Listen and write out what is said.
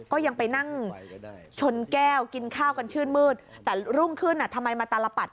ก็ยังไปนั่งชนแก้วกินข้าวกันชื่นมืดแต่รุ่งขึ้นทำไมมาตลปัด